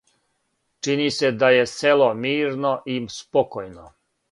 Чини се да је село мирно и спокојно.